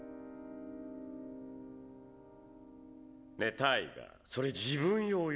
ねタイガーそれ自分用よね？